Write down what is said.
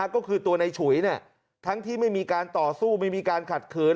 ก็คือตัวในฉุยทั้งที่ไม่มีการต่อสู้ไม่มีการขัดขืน